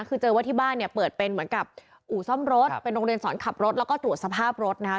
คือเจอว่าที่บ้านเนี่ยเปิดเป็นเหมือนกับอู่ซ่อมรถเป็นโรงเรียนสอนขับรถแล้วก็ตรวจสภาพรถนะคะ